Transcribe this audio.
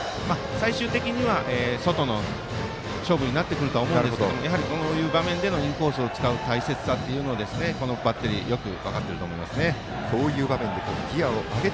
最終的には外の勝負になってくるとは思うんですけどやはり、こういう場面でのインコースを使う大切さバッテリーよく分かってると思います。